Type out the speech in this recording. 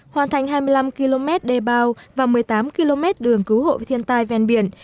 hoàn thành hai mươi năm km đê bao và một mươi tám km đường cứu hộ thiên tai ven biển